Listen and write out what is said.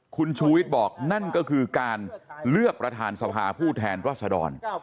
คุณชูวิทย์บอกนั่นก็คือการเลือกประธานสภาผู้แทนรัศดร